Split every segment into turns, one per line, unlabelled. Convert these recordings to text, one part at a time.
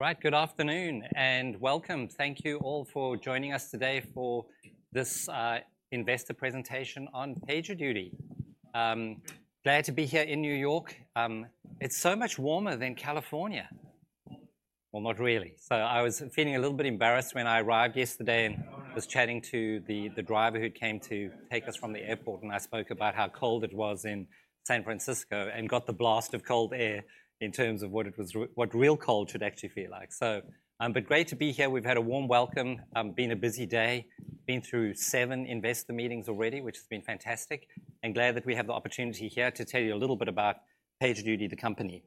Right, good afternoon, and welcome. Thank you all for joining us today for this investor presentation on PagerDuty. Glad to be here in New York. It's so much warmer than California. Well, not really. I was feeling a little bit embarrassed when I arrived yesterday and was chatting to the driver who came to take us from the airport, and I spoke about how cold it was in San Francisco and got the blast of cold air in terms of what real cold should actually feel like. But great to be here. We've had a warm welcome. Been a busy day. Been through seven investor meetings already, which has been fantastic, and glad that we have the opportunity here to tell you a little bit about PagerDuty, the company.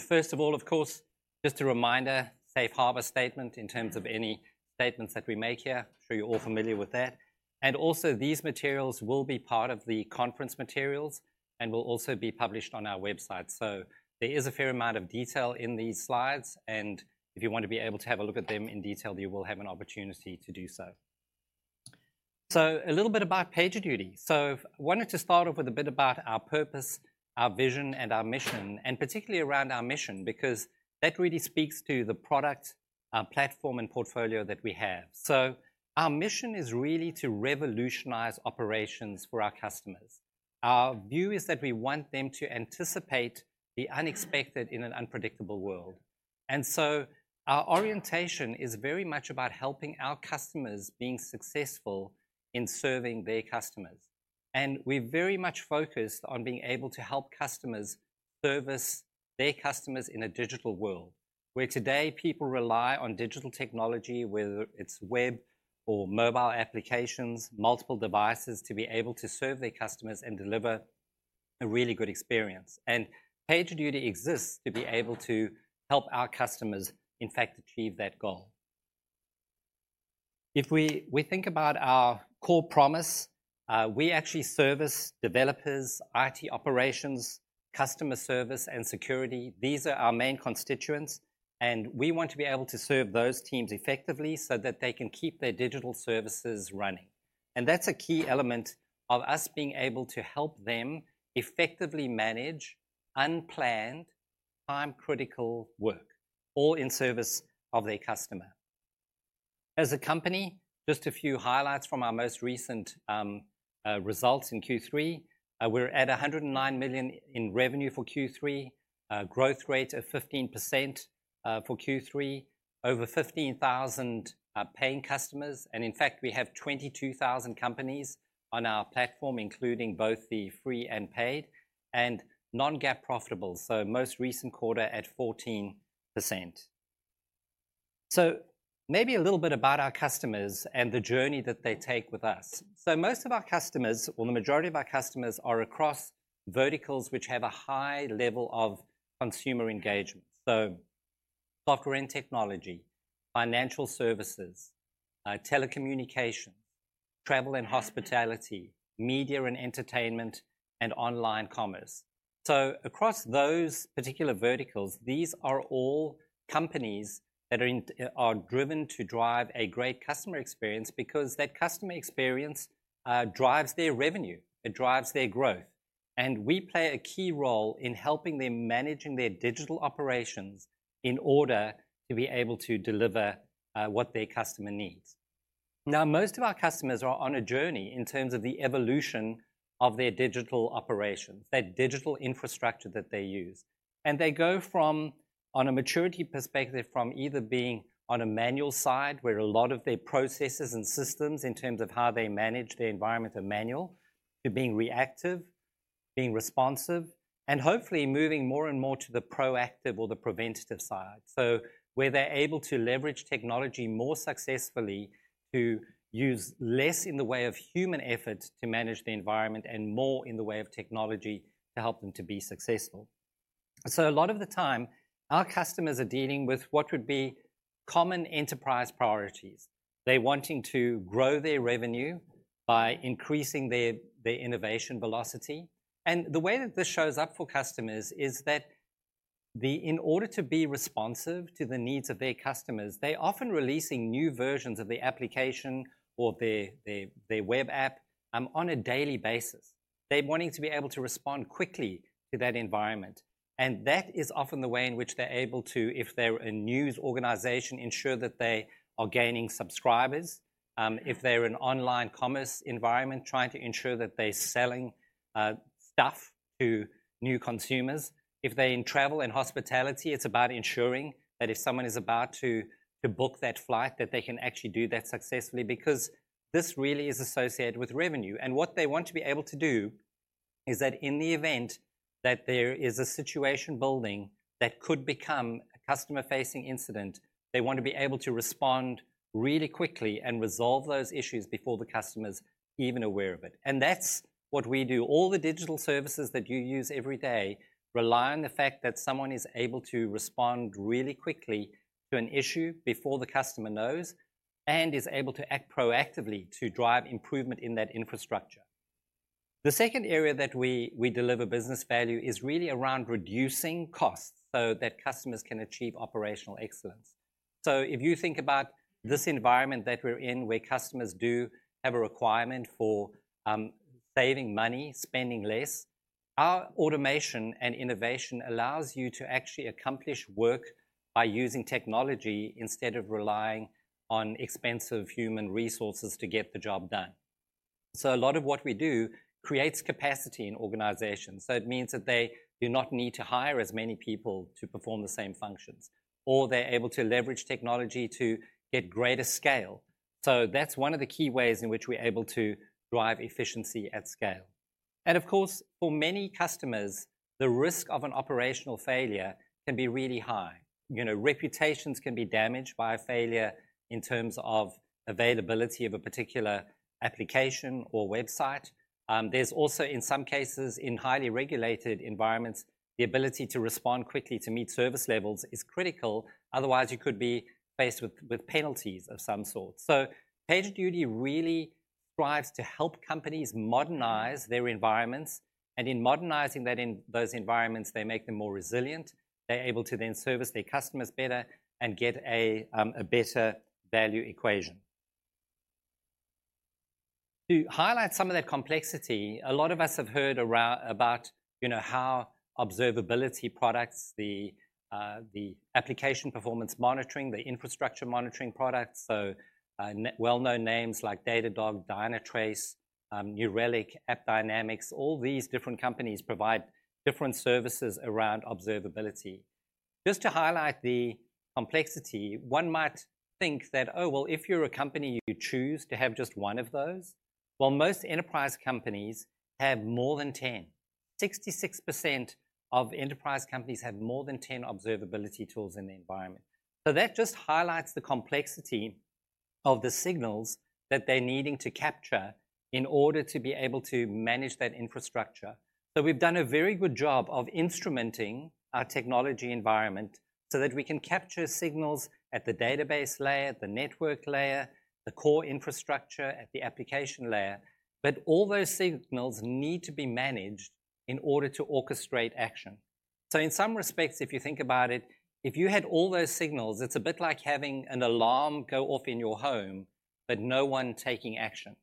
First of all, of course, just a reminder, safe harbor statement in terms of any statements that we make here. I'm sure you're all familiar with that. Also, these materials will be part of the conference materials and will also be published on our website. There is a fair amount of detail in these slides, and if you want to be able to have a look at them in detail, you will have an opportunity to do so. A little bit about PagerDuty. I wanted to start off with a bit about our purpose, our vision, and our mission, and particularly around our mission, because that really speaks to the product, platform, and portfolio that we have. Our mission is really to revolutionize operations for our customers. Our view is that we want them to anticipate the unexpected in an unpredictable world. Our orientation is very much about helping our customers being successful in serving their customers. We're very much focused on being able to help customers service their customers in a digital world, where today, people rely on digital technology, whether it's web or mobile applications, multiple devices, to be able to serve their customers and deliver a really good experience. PagerDuty exists to be able to help our customers, in fact, achieve that goal. If we think about our core promise, we actually service developers, IT operations, customer service, and security. These are our main constituents, and we want to be able to serve those teams effectively so that they can keep their digital services running. That's a key element of us being able to help them effectively manage unplanned, time-critical work, all in service of their customer. As a company, just a few highlights from our most recent results in Q3. We're at $109 million in revenue for Q3, a growth rate of 15%, for Q3, over 15,000 paying customers, and in fact, we have 22,000 companies on our platform, including both the free and paid, and non-GAAP profitable, so most recent quarter at 14%. Maybe a little bit about our customers and the journey that they take with us. Most of our customers, or the majority of our customers, are across verticals which have a high level of consumer engagement, so software and technology, financial services, telecommunications, travel and hospitality, media and entertainment, and online commerce. Across those particular verticals, these are all companies that are in, are driven to drive a great customer experience because that customer experience, drives their revenue, it drives their growth. We play a key role in helping them managing their digital operations in order to be able to deliver, what their customer needs. Now, most of our customers are on a journey in terms of the evolution of their digital operations, that digital infrastructure that they use. They go from, on a maturity perspective, from either being on a manual side, where a lot of their processes and systems, in terms of how they manage their environment, are manual, to being reactive, being responsive, and hopefully moving more and more to the proactive or the preventative side. Where they're able to leverage technology more successfully to use less in the way of human effort to manage the environment and more in the way of technology to help them to be successful. A lot of the time, our customers are dealing with what would be common enterprise priorities. They're wanting to grow their revenue by increasing their innovation velocity. The way that this shows up for customers is that in order to be responsive to the needs of their customers, they're often releasing new versions of their application or their web app on a daily basis. They're wanting to be able to respond quickly to that environment, and that is often the way in which they're able to, if they're a news organization, ensure that they are gaining subscribers, if they're an online commerce environment, trying to ensure that they're selling stuff to new consumers. If they're in travel and hospitality, it's about ensuring that if someone is about to book that flight, that they can actually do that successfully, because this really is associated with revenue. What they want to be able to do is that in the event that there is a situation building that could become a customer-facing incident, they want to be able to respond really quickly and resolve those issues before the customer's even aware of it. That's what we do. All the digital services that you use every day rely on the fact that someone is able to respond really quickly to an issue before the customer knows and is able to act proactively to drive improvement in that infrastructure. The second area that we deliver business value is really around reducing costs so that customers can achieve operational excellence. So if you think about this environment that we're in, where customers do have a requirement for, saving money, spending less, our automation and innovation allows you to actually accomplish work by using technology instead of relying on expensive human resources to get the job done. A lot of what we do creates capacity in organizations. It means that they do not need to hire as many people to perform the same functions, or they're able to leverage technology to get greater scale. That's one of the key ways in which we're able to drive efficiency at scale. Of course, for many customers, the risk of an operational failure can be really high. You know, reputations can be damaged by a failure in terms of availability of a particular application or website. There's also, in some cases, in highly regulated environments, the ability to respond quickly to meet service levels is critical. Otherwise, you could be faced with penalties of some sort. PagerDuty really strives to help companies modernize their environments, and in modernizing that in those environments, they make them more resilient. They're able to then service their customers better and get a better value equation. To highlight some of that complexity, a lot of us have heard about, you know, how observability products, the application performance monitoring, the infrastructure monitoring products, so well-known names like Datadog, Dynatrace, New Relic, AppDynamics, all these different companies provide different services around observability. Just to highlight the complexity, one might think that, oh, well, if you're a company, you choose to have just one of those. Well, most enterprise companies have more than 10. 66% of enterprise companies have more than 10 observability tools in the environment. So that just highlights the complexity of the signals that they're needing to capture in order to be able to manage that infrastructure. We've done a very good job of instrumenting our technology environment so that we can capture signals at the database layer, the network layer, the core infrastructure, at the application layer, but all those signals need to be managed in order to orchestrate action. In some respects, if you think about it, if you had all those signals, it's a bit like having an alarm go off in your home, but no one taking action.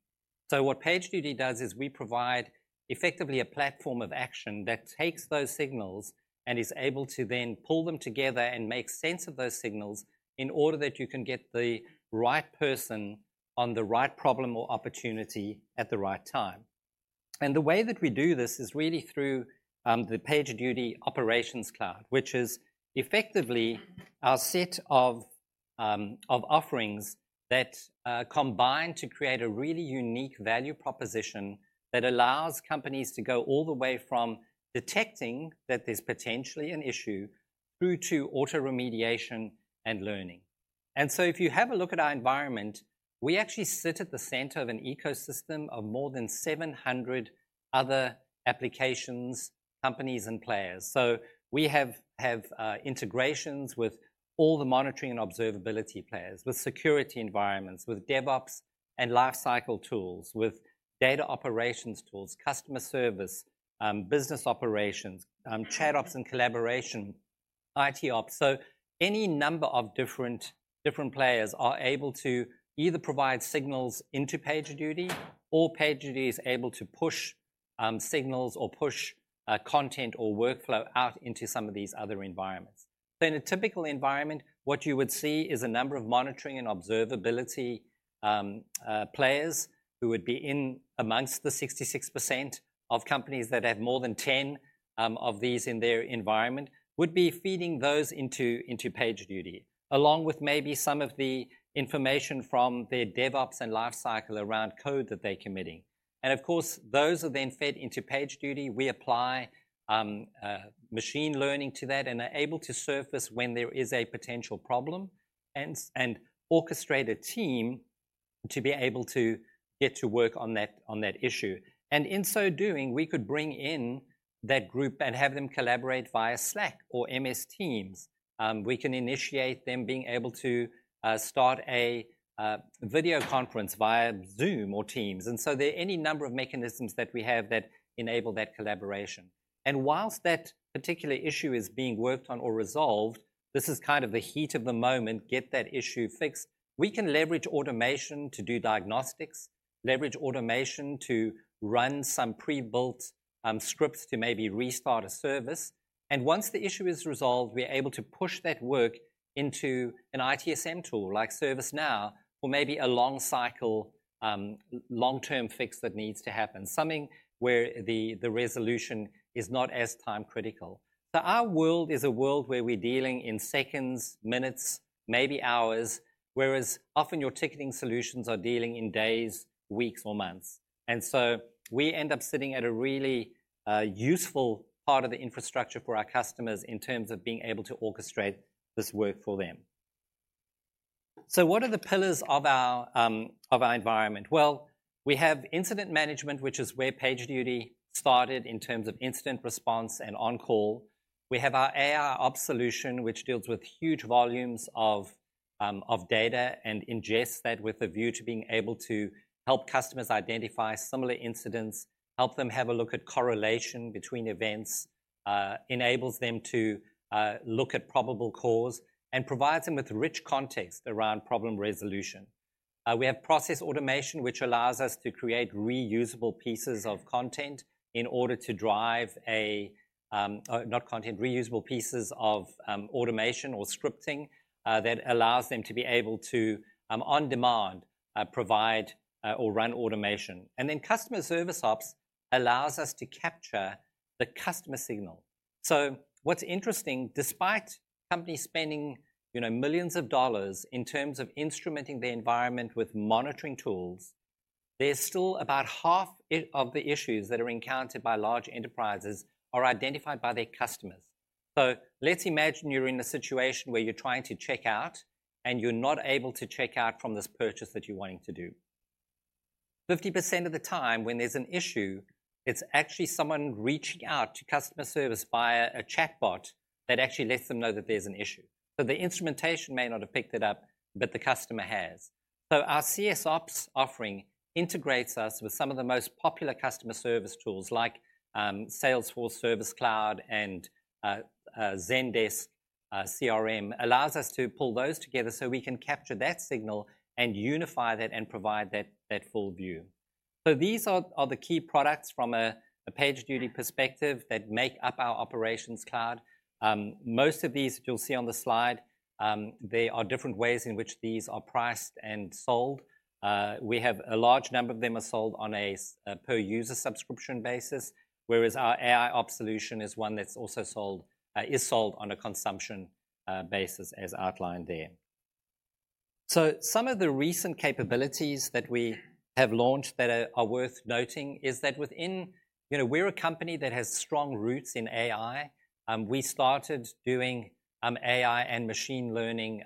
What PagerDuty does is we provide effectively a platform of action that takes those signals and is able to then pull them together and make sense of those signals in order that you can get the right person on the right problem or opportunity at the right time. The way that we do this is really through the PagerDuty Operations Cloud, which is effectively our set of offerings that combine to create a really unique value proposition that allows companies to go all the way from detecting that there's potentially an issue through to auto remediation and learning. And so if you have a look at our environment, we actually sit at the center of an ecosystem of more than 700 other applications, companies, and players. We have integrations with all the monitoring and observability players, with security environments, with DevOps and lifecycle tools, with data operations tools, customer service, business operations, ChatOps and collaboration, ITOps. Any number of different, different players are able to either provide signals into PagerDuty, or PagerDuty is able to push signals or push content or workflow out into some of these other environments. In a typical environment, what you would see is a number of monitoring and observability players who would be in amongst the 66% of companies that have more than 10 of these in their environment, would be feeding those into PagerDuty, along with maybe some of the information from their DevOps and lifecycle around code that they're committing. 0f course, those are then fed into PagerDuty. We apply machine learning to that and are able to surface when there is a potential problem and orchestrate a team to be able to get to work on that issue. In so doing, we could bring in that group and have them collaborate via Slack or MS Teams. We can initiate them being able to start a video conference via Zoom or Teams. And so there are any number of mechanisms that we have that enable that collaboration. While that particular issue is being worked on or resolved, this is kind of the heat of the moment, get that issue fixed. We can leverage automation to do diagnostics, leverage automation to run some pre-built scripts to maybe restart a service. Once the issue is resolved, we are able to push that work into an ITSM tool like ServiceNow or maybe a long cycle, long-term fix that needs to happen, something where the resolution is not as time critical. Our world is a world where we're dealing in seconds, minutes, maybe hours, whereas often your ticketing solutions are dealing in days, weeks, or months. We end up sitting at a really useful part of the infrastructure for our customers in terms of being able to orchestrate this work for them. So what are the pillars of our of our environment? Well, we have incident management, which is where PagerDuty started in terms of incident response and on-call. We have our AIOps solution, which deals with huge volumes of of data and ingests that with a view to being able to help customers identify similar incidents, help them have a look at correlation between events, enables them to look at probable cause, and provides them with rich context around problem resolution. We have Process Automation, which allows us to create reusable pieces of content in order to drive a, not content, reusable pieces of automation or scripting that allows them to be able to, on demand, provide or run automation. Then Customer Service Ops allows us to capture the customer signal. What's interesting, despite companies spending, you know, millions of dollars in terms of instrumenting their environment with monitoring tools, there's still about half of the issues that are encountered by large enterprises are identified by their customers. So let's imagine you're in a situation where you're trying to check out, and you're not able to check out from this purchase that you're wanting to do. 50% of the time when there's an issue, it's actually someone reaching out to customer service via a chatbot that actually lets them know that there's an issue. So the instrumentation may not have picked it up, but the customer has. Our CS Ops offering integrates us with some of the most popular customer service tools like Salesforce Service Cloud and Zendesk CRM. Allows us to pull those together so we can capture that signal and unify that and provide that full view. These are the key products from a PagerDuty perspective that make up our operations cloud. Most of these that you'll see on the slide, there are different ways in which these are priced and sold. We have a large number of them are sold on a per user subscription basis, whereas our AIOps solution is one that's also sold, is sold on a consumption basis as outlined there. Some of the recent capabilities that we have launched that are worth noting is that within... You know, we're a company that has strong roots in AI. We started doing AI and Machine Learning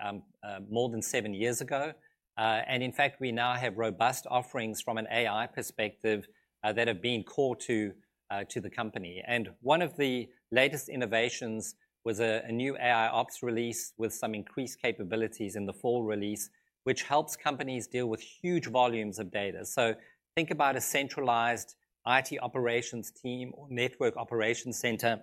more than seven years ago. And in fact, we now have robust offerings from an AI perspective that have been core to the company. And one of the latest innovations was a new AOps release with some increased capabilities in the fall release, which helps companies deal with huge volumes of data. Think about a centralized IT operations team or Network Operations Center,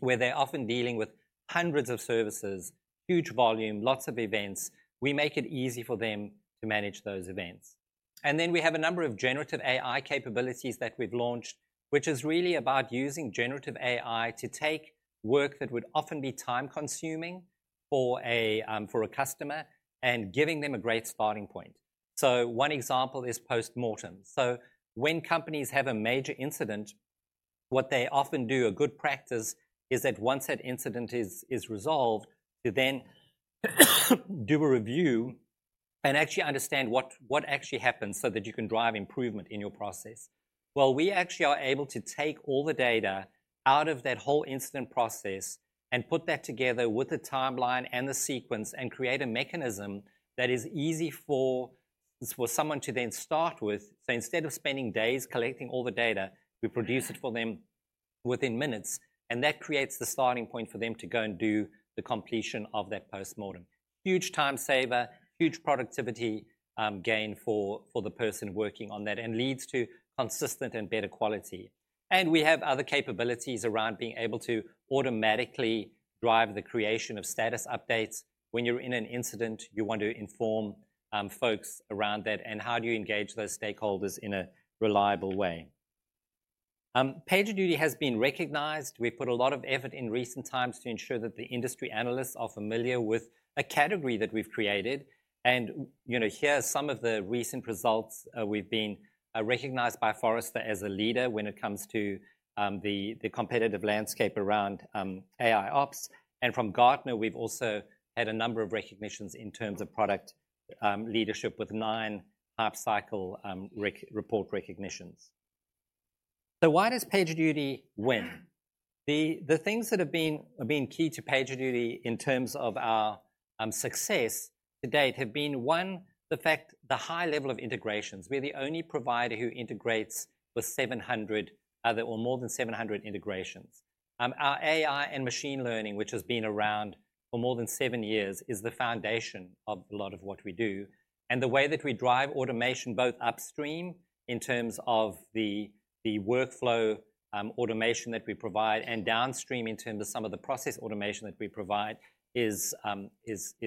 where they're often dealing with hundreds of services, huge volume, lots of events. We make it easy for them to manage those events. Then we have a number of generative AI capabilities that we've launched, which is really about using enerative AI to take work that would often be time-consuming for a customer and giving them a great starting point. One example is post-mortem. When companies have a major incident, what they often do, a good practice, is that once that incident is resolved, you then do a review and actually understand what actually happened so that you can drive improvement in your process. Well, we actually are able to take all the data out of that whole incident process and put that together with the timeline and the sequence and create a mechanism that is easy for, for someone to then start with. So instead of spending days collecting all the data, we produce it for them within minutes, and that creates the starting point for them to go and do the completion of that post-mortem. Huge time saver, huge productivity gain for, for the person working on that, and leads to consistent and better quality. We have other capabilities around being able to automatically drive the creation of status updates. When you're in an incident, you want to inform folks around that, and how do you engage those stakeholders in a reliable way? PagerDuty has been recognized. We've put a lot of effort in recent times to ensure that the industry analysts are familiar with a category that we've created. You know, here are some of the recent results. We've been recognized by Forrester as a leader when it comes to the competitive landscape around AIOps. And from Gartner, we've also had a number of recognitions in terms of product leadership with nine Hype Cycle report recognitions. So why does PagerDuty win? The things that have been key to PagerDuty in terms of our success to date have been, one, the high level of integrations. We're the only provider who integrates with 700 other or more than 700 integrations. Our AI and Machine Learning, which has been around for more than seven years, is the foundation of a lot of what we do. The way that we drive automation, both upstream in terms of the workflow automation that we provide, and downstream in terms of some of the process automation that we provide is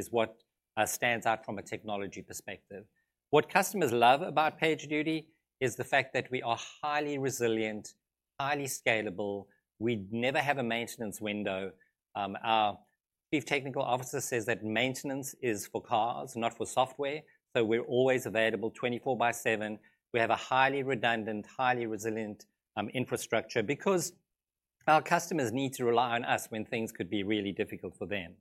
what stands out from a technology perspective. What customers love about PagerDuty is the fact that we are highly resilient, highly scalable. We never have a maintenance window. Our Chief Technical Officer says that maintenance is for cars, not for software, so we're always available 24/7. We have a highly redundant, highly resilient infrastructure because our customers need to rely on us when things could be really difficult for them.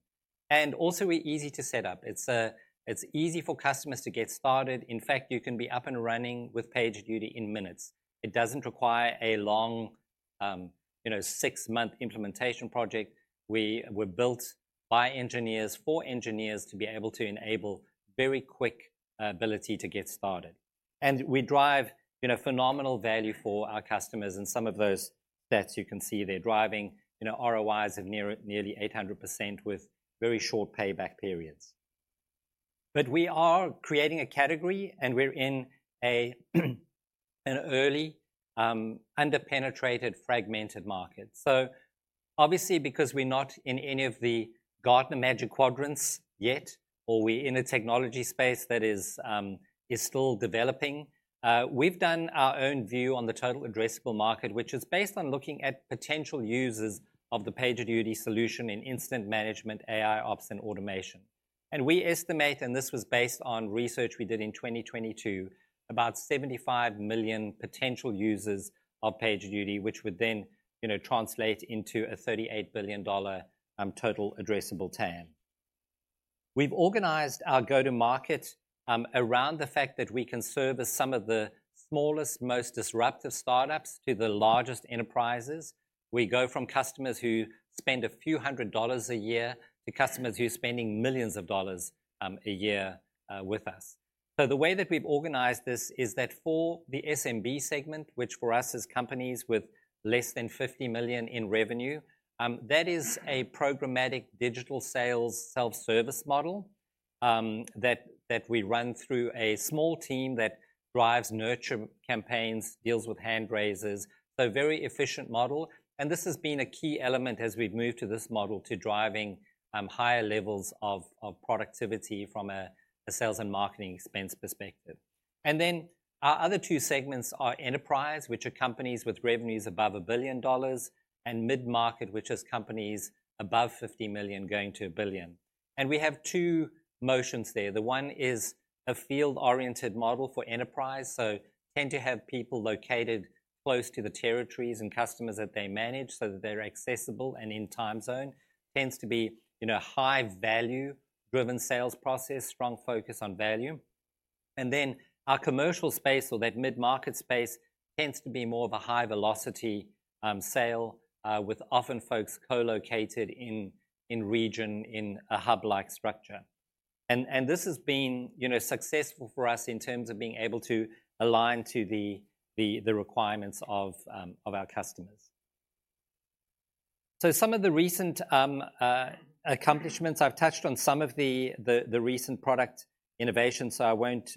Also, we're easy to set up. It's, it's easy for customers to get started. In fact, you can be up and running with PagerDuty in minutes. It doesn't require a long, you know, six-month implementation project. We were built by engineers, for engineers to be able to enable very quick ability to get started. We drive, you know, phenomenal value for our customers, and some of those stats you can see there, driving, you know, ROIs of nearly 800% with very short payback periods. But we are creating a category, and we're in an early, under-penetrated, fragmented market. Obviously, because we're not in any of the Gartner Magic Quadrants yet, or we're in a technology space that is still developing, we've done our own view on the total addressable market, which is based on looking at potential users of the PagerDuty solution in incident management, AIOps, and automation. We estimate, and this was based on research we did in 2022, about 75 million potential users of PagerDuty, which would then, you know, translate into a $38 billion total addressable TAM. We've organized our go-to-market around the fact that we can service some of the smallest, most disruptive startups to the largest enterprises. We go from customers who spend a few hundred dollars a year to customers who are spending millions of dollars a year with us. The way that we've organized this is that for the SMB segment, which for us is companies with less than $50 million in revenue, that is a programmatic digital sales self-service model, that we run through a small team that drives nurture campaigns, deals with hand raisers. So a very efficient model, and this has been a key element as we've moved to this model to driving, higher levels of, productivity from a, sales and marketing expense perspective. And then our other two segments are enterprise, which are companies with revenues above $1 billion, and mid-market, which is companies above $50 million going to $1 billion. We have two motions there. The one is a field-oriented model for enterprise, so tend to have people located close to the territories and customers that they manage so that they're accessible and in time zone. Tends to be, you know, high value-driven sales process, strong focus on value. And then our commercial space or that mid-market space tends to be more of a high velocity sale with often folks co-located in region, in a hub-like structure. This has been, you know, successful for us in terms of being able to align to the requirements of our customers. Some of the recent accomplishments, I've touched on some of the recent product innovations, so I won't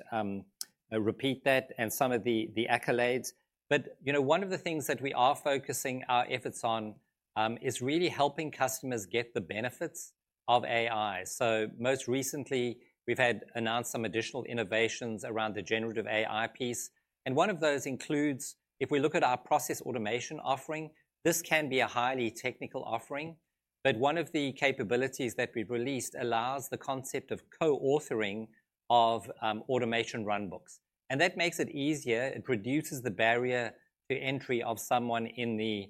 repeat that and some of the accolades. But, you know, one of the things that we are focusing our efforts on is really helping customers get the benefits of AI. So most recently, we've had announced some additional innovations around the generative AI piece, and one of those includes, if we look at our process automation offering, this can be a highly technical offering, but one of the capabilities that we've released allows the concept of co-authoring of automation runbooks. And that makes it easier. It reduces the barrier to entry of someone in the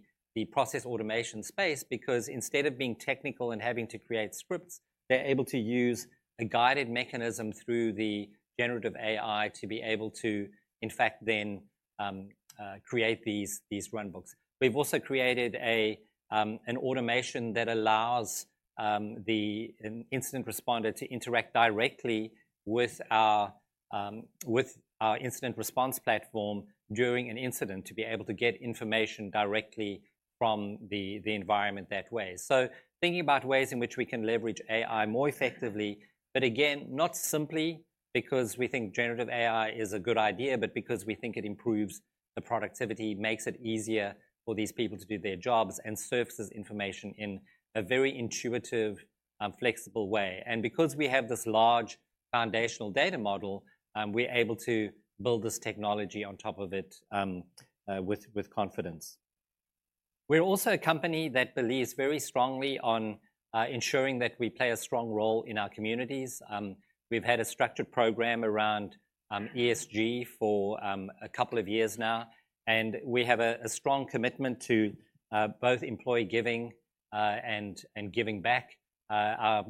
process automation space, because instead of being technical and having to create scripts, they're able to use a guided mechanism through the generative AI to be able to, in fact, then create these runbooks. We've also created an automation that allows the in-incident responder to interact directly with our incident response platform during an incident to be able to get information directly from the environment that way. Thinking about ways in which we can leverage AI more effectively, but again, not simply because we think generative AI is a good idea, but because we think it improves the productivity, makes it easier for these people to do their jobs, and surfaces information in a very intuitive, flexible way. Because we have this large foundational data model, we're able to build this technology on top of it with confidence. We're also a company that believes very strongly on ensuring that we play a strong role in our communities. We've had a structured program around ESG for a couple of years now, and we have a strong commitment to both employee giving and giving back. The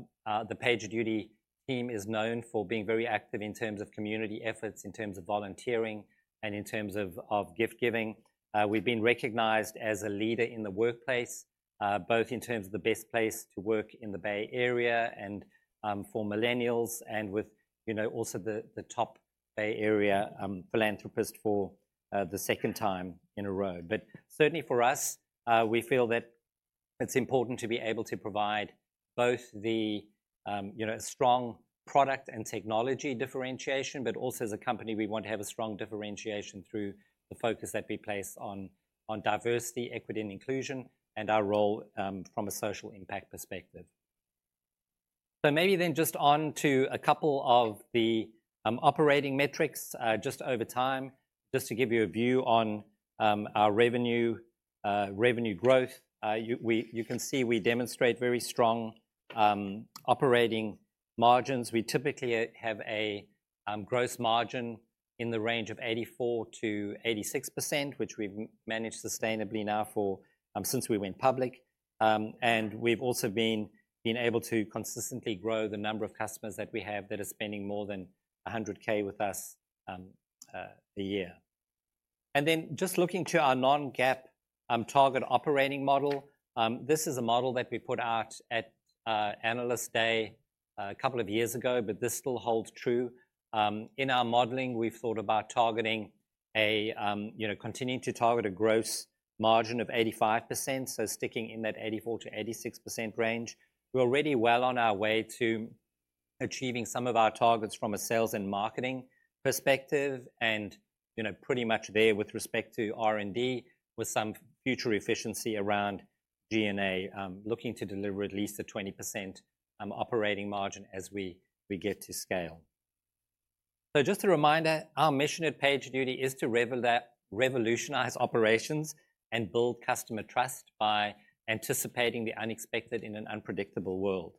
PagerDuty team is known for being very active in terms of community efforts, in terms of volunteering, and in terms of gift giving. We've been recognized as a leader in the workplace, both in terms of the best place to work in the Bay Area and for millennials and with, you know, also the top Bay Area philanthropist for the second time in a row. But certainly for us, we feel that it's important to be able to provide both the, you know, strong product and technology differentiation, but also as a company, we want to have a strong differentiation through the focus that we place on diversity, equity, and inclusion, and our role, from a social impact perspective. Maybe then just on to a couple of the operating metrics, just over time, just to give you a view on our revenue, revenue growth. You can see we demonstrate very strong operating margins. We typically have a gross margin in the range of 84%-86%, which we've managed sustainably now since we went public. We've also been able to consistently grow the number of customers that we have that are spending more than $100K with us a year. And then just looking to our non-GAAP target operating model, this is a model that we put out at Analyst Day a couple of years ago, but this still holds true. In our modeling, we've thought about targeting a, you know, continuing to target a gross margin of 85%, so sticking in that 84%-86% range. We're already well on our way to achieving some of our targets from a sales and marketing perspective, and, you know, pretty much there with respect to R&D, with some future efficiency around G&A, looking to deliver at least a 20% operating margin as we get to scale. Just a reminder, our mission at PagerDuty is to revolutionize operations and build customer trust by anticipating the unexpected in an unpredictable world.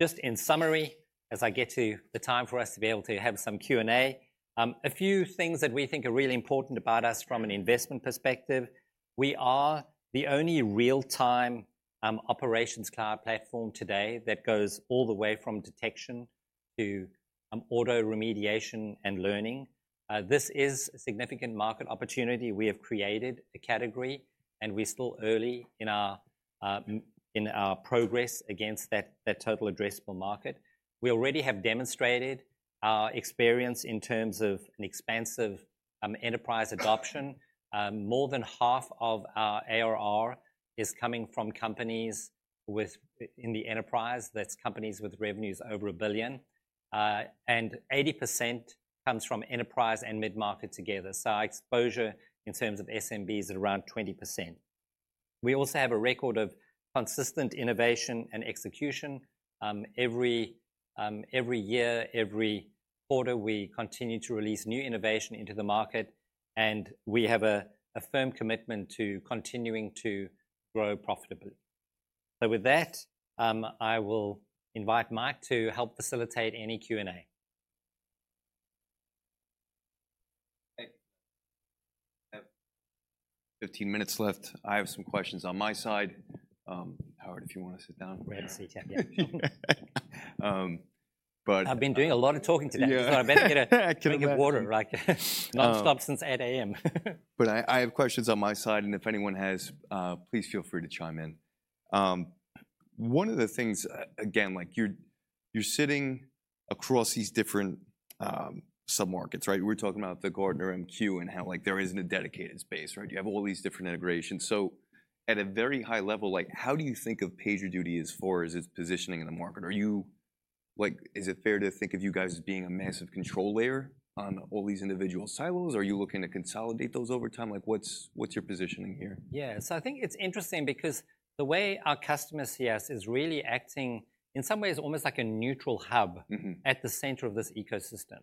Just in summary, as I get to the time for us to be able to have some Q&A, a few things that we think are really important about us from an investment perspective: We are the only real-time operations cloud platform today that goes all the way from detection to auto remediation and learning. This is a significant market opportunity. We have created a category, and we're still early in our progress against that total addressable market. We already have demonstrated our experience in terms of an expansive enterprise adoption. More than half of our ARR is coming from companies with... in the enterprise, that's companies with revenues over a billion. 80% comes from enterprise and mid-market together. So our exposure in terms of SMB is at around 20%. We also have a record of consistent innovation and execution. Every year, every quarter, we continue to release new innovation into the market, awe have a firm commitment to continuing to grow profitably. So with that, I will invite Mike to help facilitate any Q&A.
Hey, I have 15 minutes left. I have some questions on my side. Howard, if you wanna sit down?
We have a seat, yeah.
but-
I've been doing a lot of talking today.
Yeah.
I better get a drink of water, right? Nonstop since 8:00 A.M.
But I, I have questions on my side, and if anyone has, please feel free to chime in. One of the things, again, like, you're, you're sitting across these different submarkets, right? We're talking about the Gartner MQ and how, like, there isn't a dedicated space, right? You have all these different integrations. So at a very high level, like, how do you think of PagerDuty as far as its positioning in the market? Are you like, is it fair to think of you guys as being a massive control layer on all these individual silos, or are you looking to consolidate those over time? Like, what's, what's your positioning here?
Yeah. I think it's interesting because the way our customers see us is really acting, in some ways, almost like a neutral hub-
Mm-hmm...
at the center of this ecosystem.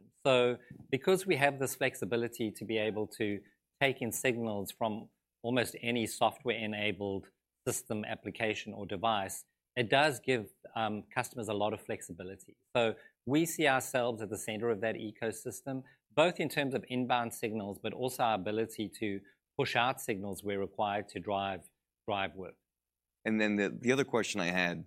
because we have this flexibility to be able to take in signals from almost any software-enabled system, application, or device, it does give customers a lot of flexibility. So we see ourselves at the center of that ecosystem, both in terms of inbound signals, but also our ability to push out signals we're required to drive work.
And then the other question I had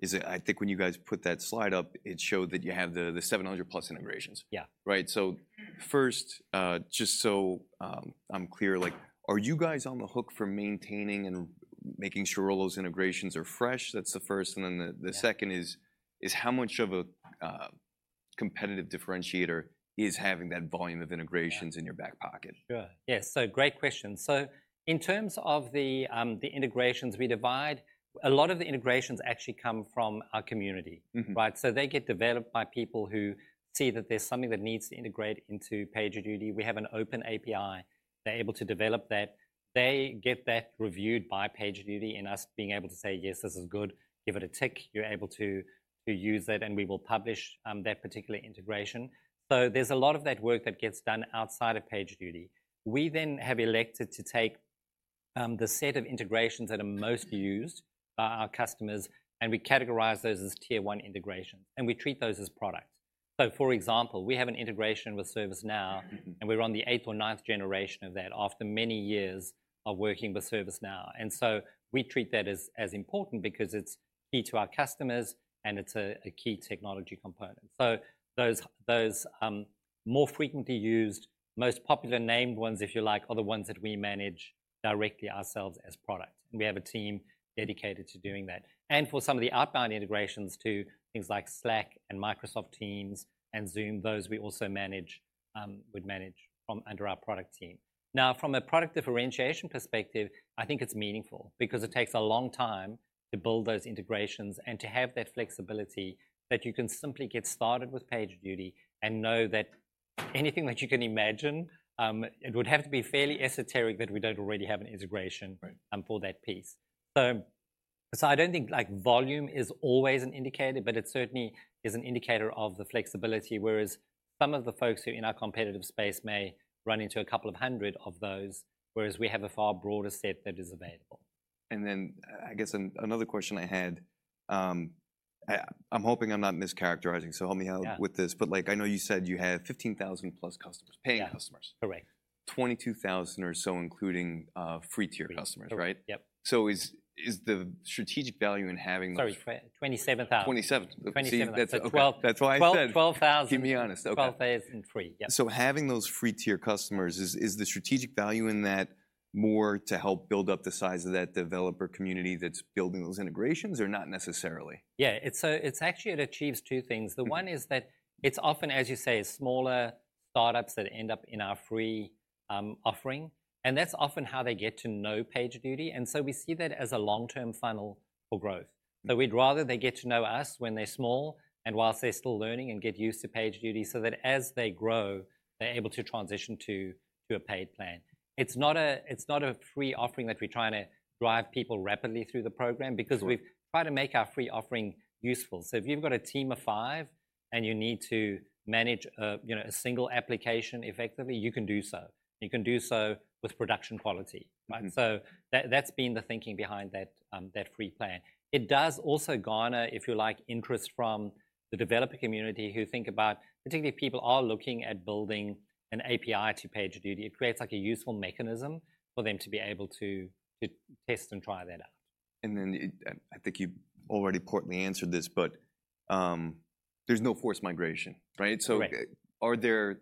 is that I think when you guys put that slide up, it showed that you have the 700+ integrations.
Yeah.
Right? First, just so, I'm clear, like, are you guys on the hook for maintaining and making sure all those integrations are fresh? That's the first, and then the-
Yeah...
the second is how much of a competitive differentiator is having that volume of integrations-
Yeah...
in your back pocket?
Sure. Yes, so great question. In terms of the integrations, we divide, a lot of the integrations actually come from our community.
Mm-hmm.
Right? So they get developed by people who see that there's something that needs to integrate into PagerDuty. We have an open API. They're able to develop that. They get that reviewed by PagerDuty, and us being able to say: "Yes, this is good." Give it a tick, you're able to use that, and we will publish that particular integration. There's a lot of that work that gets done outside of PagerDuty. We then have elected to take the set of integrations that are most used by our customers, and we categorize those as tier one integrations, and we treat those as products. For example, we have an integration with ServiceNow-
Mm-hmm...
and we're on the eighth or ninth generation of that after many years of working with ServiceNow. And so we treat that as, as important because it's key to our customers, and it's a, a key technology component. Those, those, more frequently used, most popular named ones, if you like, are the ones that we manage directly ourselves as product, and we have a team dedicated to doing that. For some of the outbound integrations to things like Slack and Microsoft Teams and Zoom, those we also manage, we manage from under our product team. Now, from a product differentiation perspective, I think it's meaningful because it takes a long time to build those integrations and to have that flexibility that you can simply get started with PagerDuty and know that anything that you can imagine, it would have to be fairly esoteric, that we don't already have an integration-
Right...
for that piece. I don't think, like, volume is always an indicator, but it certainly is an indicator of the flexibility, whereas some of the folks who are in our competitive space may run into a couple of hundred of those, whereas we have a far broader set that is available.
And then, I guess another question I had, I'm hoping I'm not mischaracterizing, so help me out-
Yeah...
with this, but like, I know you said you have 15,000+ customers-
Yeah...
paying customers.
Correct.
22,000 or so, including free tier customers, right?
Yep.
So is the strategic value in having-
Sorry, $27,000.
Twenty-seven.
Twenty-seven.
See, that's okay.
Twelve-
That's what I said.
12 thousand-
Keep me honest. Okay.
12,000 free. Yep.
Having those free tier customers, is the strategic value in that more to help build up the size of that developer community that's building those integrations, or not necessarily?
Yeah, it's actually it achieves two things.
Mm.
The one is that it's often, as you say, smaller startups that end up in our free offering, and that's often how they get to know PagerDuty, and so we see that as a long-term funnel for growth. We'd rather they get to know us when they're small and whilst they're still learning and get used to PagerDuty, so that as they grow, they're able to transition to a paid plan. It's not a free offering that we're trying to drive people rapidly through the program-
Sure.
Because we've tried to make our free offering useful. If you've got a team of five and you need to manage a, you know, a single application effectively, you can do so. You can do so with production quality, right?
Mm-hmm.
That, that's been the thinking behind that, that free plan. It does also garner, if you like, interest from the developer community who think about... Particularly if people are looking at building an API to PagerDuty, it creates like a useful mechanism for them to be able to, to test and try that out.
And then, I think you've already partly answered this, but, there's no forced migration, right?
Correct.
So are there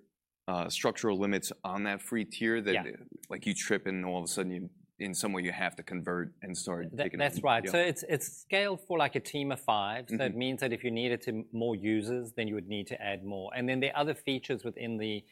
structural limits on that free tier-
Yeah
—that, like, you trip and all of a sudden, you, in some way you have to convert and start taking a paid deal?
That's right. It's, it's scaled for, like, a team of five.
Mm-hmm.
It means that if you needed to more users, then you would need to add more. And then there are other features within the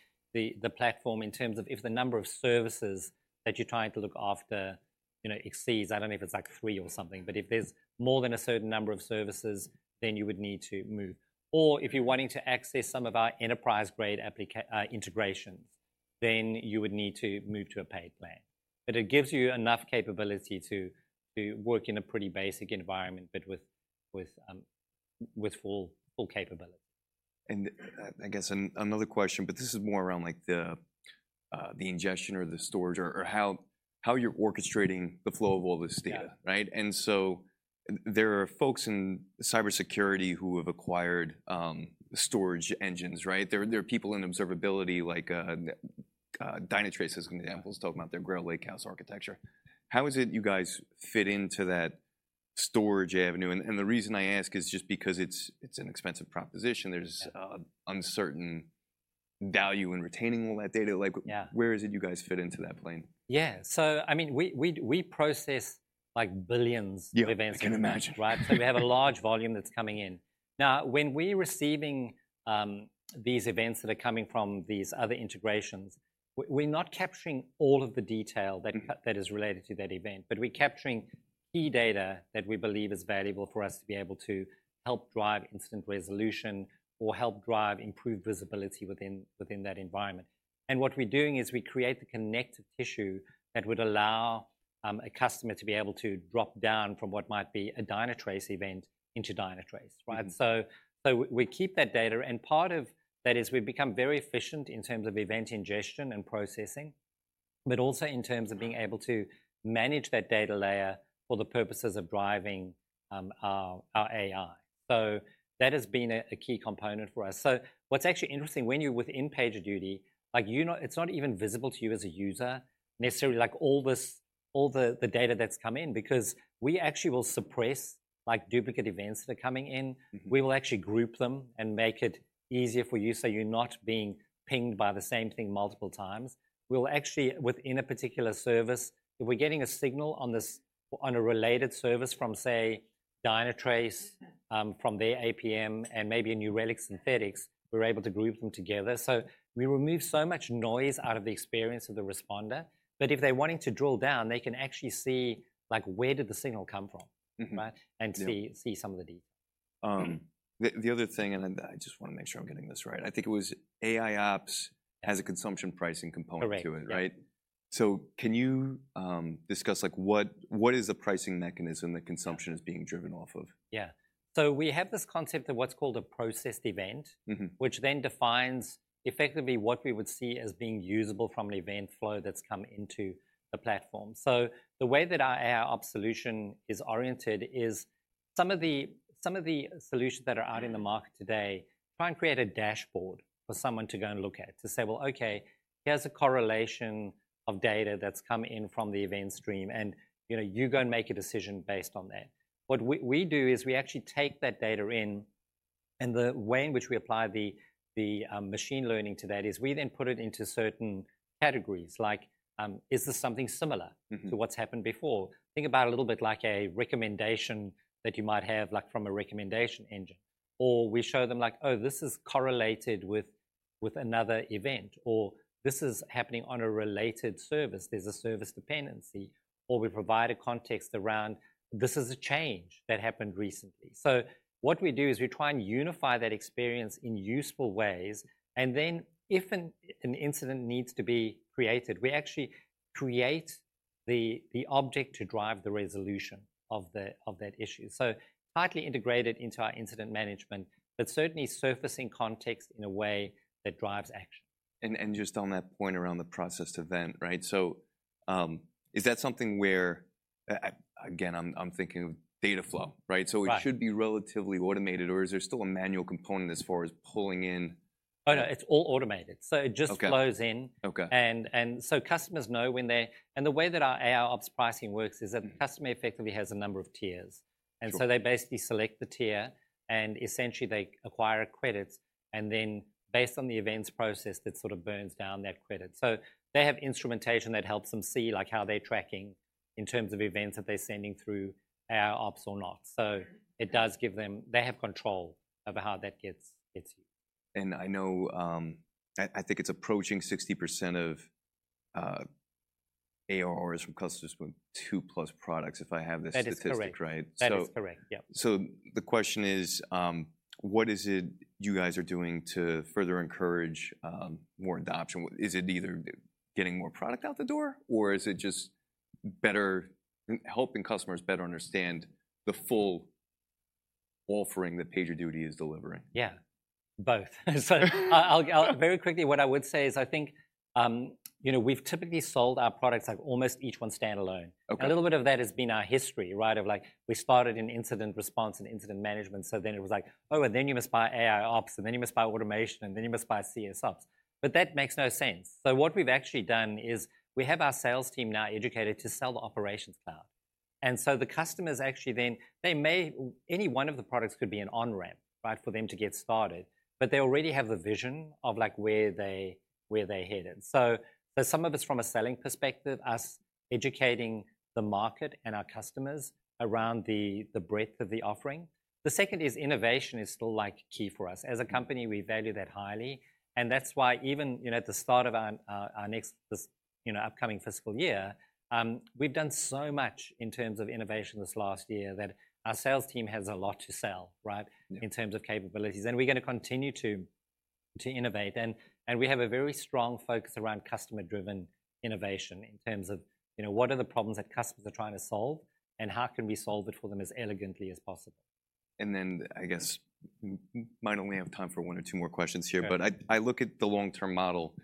platform in terms of if the number of services that you're trying to look after, you know, exceeds, I don't know if it's, like, three or something, but if there's more than a certain number of services, then you would need to move. Or if you're wanting to access some of our enterprise-grade application integrations, then you would need to move to a paid plan. But it gives you enough capability to work in a pretty basic environment, but with full capability.
I guess another question, but this is more around, like, the ingestion or the storage or how you're orchestrating the flow of all this data.
Yeah.
Right? And so there are folks in cybersecurity who have acquired storage engines, right? There are people in observability, like, Dynatrace as an example-
Yeah...
talking about their Grail Lakehouse architecture. How is it you guys fit into that storage avenue? The reason I ask is just because it's an expensive proposition.
Yeah.
There's uncertain value in retaining all that data.
Yeah.
Like, where is it you guys fit into that plane?
Yeah. So I mean, we process, like, billions of events.
Yeah, I can imagine.
Right? We have a large volume that's coming in. Now, when we're receiving these events that are coming from these other integrations, we're not capturing all of the detail-
Mm-hmm...
that that is related to that event, but we're capturing key data that we believe is valuable for us to be able to help drive incident resolution or help drive improved visibility within that environment. And what we're doing is we create the connective tissue that would allow a customer to be able to drop down from what might be a Dynatrace event into Dynatrace, right?
Mm-hmm.
We keep that data, and part of that is we've become very efficient in terms of event ingestion and processing, but also in terms of being able-
Mm...
to manage that data layer for the purposes of driving our AI. That has been a key component for us. So what's actually interesting, when you're within PagerDuty, like you're not—it's not even visible to you as a user necessarily, like all this data that's come in, because we actually will suppress, like, duplicate events that are coming in.
Mm.
We will actually group them and make it easier for you, so you're not being pinged by the same thing multiple times. We'll actually, within a particular service, if we're getting a signal on this, on a related service from, say, Dynatrace, from their APM and maybe a New Relic Synthetics, we're able to group them together. We remove so much noise out of the experience of the responder. But if they're wanting to drill down, they can actually see, like, where did the signal come from?
Mm-hmm...
right?
Yeah.
See, see some of the details.
The other thing, and then I just wanna make sure I'm getting this right. I think it was AIOps has a consumption pricing component to it.
Correct.
Right?
Yeah.
Can you discuss, like, what is the pricing mechanism that consumption is being driven off of?
Yeah. We have this concept of what's called a processed event-
Mm-hmm...
which then defines effectively what we would see as being usable from an event flow that's come into the platform. The way that our AIOps solution is oriented is some of the solutions that are out in the market today try and create a dashboard for someone to go and look at, to say, "Well, okay, here's a correlation of data that's come in from the event stream, and, you know, you go and make a decision based on that." What we do is we actually take that data in, and the way in which we apply the machine learning to that is we then put it into certain categories, like: Is this something similar-
Mm-hmm...
to what's happened before? Think about it a little bit like a recommendation that you might have, like from a recommendation engine. Or we show them, like, "Oh, this is correlated with another event," or, "This is happening on a related service. There's a service dependency." Or we provide a context around, "This is a change that happened recently." What we do is we try and unify that experience in useful ways, and then if an incident needs to be created, we actually create the object to drive the resolution of that issue. Tightly integrated into our incident management, but certainly surfacing context in a way that drives action.
And just on that point around the processed event, right? Is that something where, again, I'm thinking of data flow, right?
Right.
It should be relatively automated, or is there still a manual component as far as pulling in?
Oh, no, it's all automated.
Okay.
So it just flows in.
Okay.
And so customers know when they... And the way that our AIOps pricing works is that-
Mm...
the customer effectively has a number of tiers.
Sure.
They basically select the tier, and essentially they acquire credits, and then based on the events processed, that sort of burns down that credit. They have instrumentation that helps them see, like, how they're tracking in terms of events that they're sending through AIOps or not. It does give them. They have control over how that gets you.
I know, I think it's approaching 60% of ARRs from customers with 2+ products, if I have this statistic-
That is correct.
Right?
That is correct, yeah.
The question is, what is it you guys are doing to further encourage more adoption? Is it either getting more product out the door, or is it just better... helping customers better understand the full offering that PagerDuty is delivering?
Yeah, both. I'll very quickly, what I would say is I think, you know, we've typically sold our products, like, almost each one standalone.
Okay.
A little bit of that has been our history, right? Of like we started in incident response and Incident Management, so then it was like, "Oh, and then you must buy AIOps, and then you must buy automation, and then you must buy CS Ops." But that makes no sense. What we've actually done is we have our sales team now educated to sell the Operations Cloud. The customers actually then, they may... Any one of the products could be an on-ramp, right, for them to get started, but they already have a vision of, like, where they, where they're headed. For some of us, from a selling perspective, us educating the market and our customers around the, the breadth of the offering. The second is innovation is still, like, key for us.
Mm.
As a company, we value that highly, and that's why even, you know, at the start of our next upcoming fiscal year, we've done so much in terms of innovation this last year that our sales team has a lot to sell, right?
Yeah...
in terms of capabilities. And we're gonna continue to innovate, and we have a very strong focus around customer-driven innovation in terms of, you know, what are the problems that customers are trying to solve, and how can we solve it for them as elegantly as possible?
I guess, we might only have time for one or two more questions here.
Sure.
But I look at the long-term model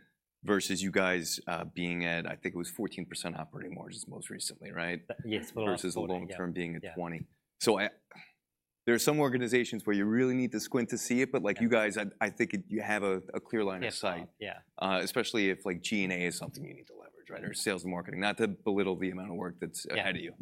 versus you guys being at, I think it was 14% operating margins most recently, right?
Yes, well, yeah.
Versus the short-term being at 20.
Yeah.
There are some organizations where you really need to squint to see it, but, like, you guys, I think you have a clear line of sight.
Yes, well, yeah.
especially if, like, G&A is something you need to leverage, right?
Yeah.
Or sales and marketing, not to belittle the amount of work that's ahead of you.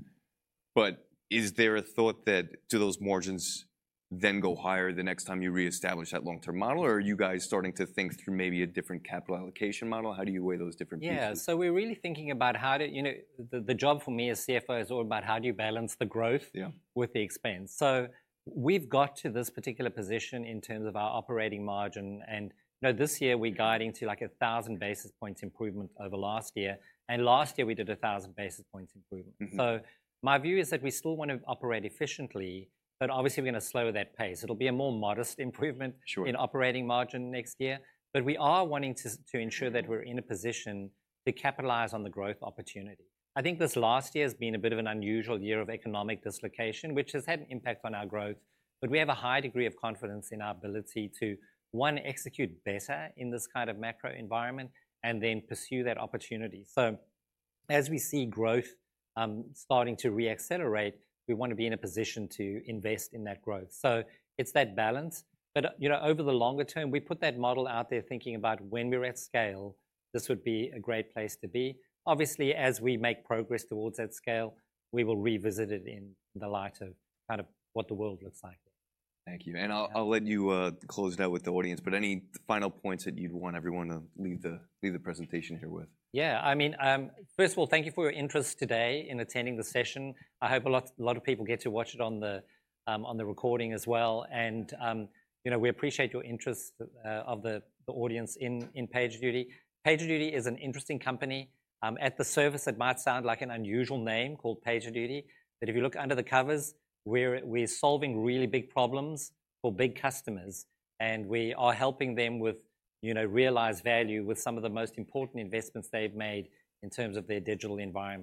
Yeah.
Is there a thought that, do those margins then go higher the next time you reestablish that long-term model, or are you guys starting to think through maybe a different capital allocation model? How do you weigh those different pieces?
Yeah, We're really thinking about how to... You know, the job for me as CFO is all about how do you balance the growth-
Yeah...
with the expense? We've got to this particular position in terms of our operating margin, and, you know, this year we're guiding to, like, 1,000 basis points improvement over last year, and last year we did 1,000 basis points improvement.
Mm-hmm.
My view is that we still want to operate efficiently, but obviously we're gonna slow that pace. It'll be a more modest improvement-
Sure...
in operating margin next year. But we are wanting to ensure that we're in a position to capitalize on the growth opportunity. I think this last year has been a bit of an unusual year of economic dislocation, which has had an impact on our growth, but we have a high degree of confidence in our ability to, one, execute better in this kind of macro environment and then pursue that opportunity. As we see growth starting to re-accelerate, we want to be in a position to invest in that growth. It's that balance. But, you know, over the longer term, we put that model out there thinking about when we're at scale, this would be a great place to be. Obviously, as we make progress towards that scale, we will revisit it in the light of kind of what the world looks like.
Thank you. I'll let you close it out with the audience, but any final points that you'd want everyone to leave the presentation here with?
Yeah, I mean, first of all, thank you for your interest today in attending the session. I hope a lot, a lot of people get to watch it on the, on the recording as well, and, you know, we appreciate your interest, of the, the audience in, in PagerDuty. PagerDuty is an interesting company. At the surface, it might sound like an unusual name called PagerDuty, but if you look under the covers, we're, we're solving really big problems for big customers, and we are helping them with, you know, realize value with some of the most important investments they've made in terms of their digital environment.